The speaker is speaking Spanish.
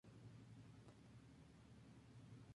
Tiene su sede en Nuuk.